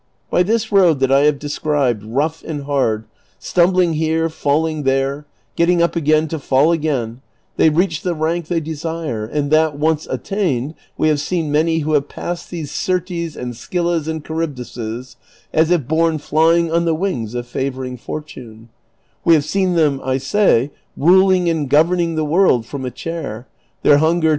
By this road that I have described, rough and hard, stumbling here, falling there, getting up again to fail again, they reach the rank they desire, and that once attained, we have seen many who have passed these Syrtes and Scyllas and Charyb dises, as if borne flying on the wings of favoring fortune ; we ' Andar a la sopa — to attend at the convents where soup is given out to the poor.